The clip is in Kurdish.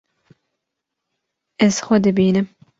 Ez xwe dibînim.